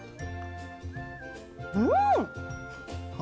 うん！